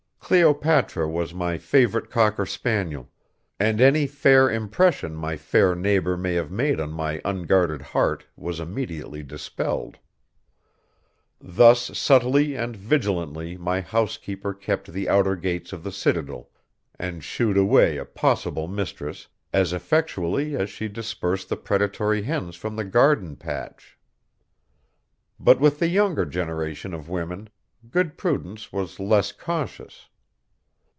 Cleopatra was my favorite cocker spaniel, and any faint impression my fair neighbor may have made on my unguarded heart was immediately dispelled. Thus subtly and vigilantly my house keeper kept the outer gates of the citadel, and shooed away a possible mistress as effectually as she dispersed the predatory hens from the garden patch. But with the younger generation of women, good Prudence was less cautious.